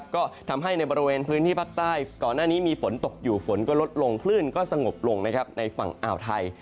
ก็ทำให้ในบริเวณพื้นที่ภาคใต้ก่อนหน้านี้มีฝนตกอยู่ฝนก็ลดลงคลื่นก็สงบลงในฝั่งอ่าวไทย